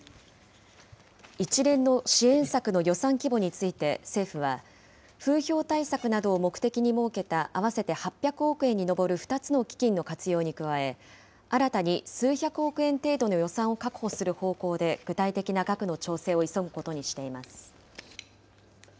一連の支援策の予算規模について政府は、風評対策などを目的に設けた合わせて８００億円に上る２つの基金の活用に加え、新たに数百億円程度の予算を確保する方向で、具体的な額の調整を急ぐことにしています。